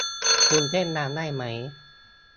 คุณเต้นรำได้มั้ย